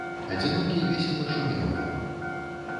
Адзінокі, весела шумеў ён.